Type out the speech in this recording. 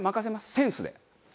センスで。